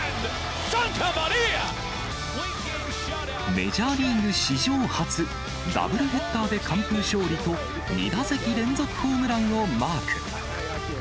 メジャーリーグ史上初、ダブルヘッダーで完封勝利と２打席連続ホームランをマーク。